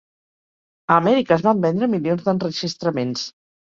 A Amèrica es van vendre milions d'enregistraments.